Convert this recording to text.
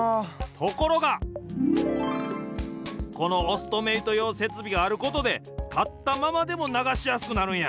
ところがこのオストメイトようせつびがあることでたったままでもながしやすくなるんや。